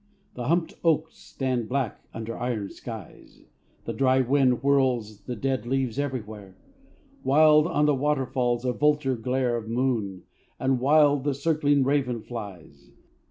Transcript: The humped oaks stand black under iron skies; The dry wind whirls the dead leaves everywhere; Wild on the water falls a vulture glare Of moon, and wild the circling raven flies.